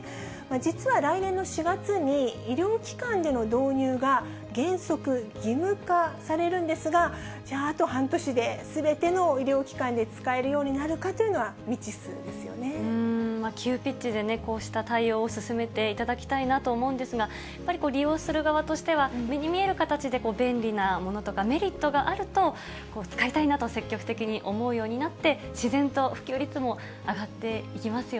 実は来年の４月に、医療機関での導入が原則義務化されるんですが、じゃああと半年ですべての医療機関で使えるようになるかというの急ピッチでこうした対応を進めていただきたいなと思うんですが、やっぱり利用する側としては、目に見える形で便利なものとか、メリットがあると、使いたいなと積極的に思うようになって、自然と普及率も上がっていきます